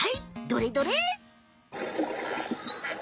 どれどれ。